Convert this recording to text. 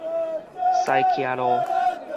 私奇路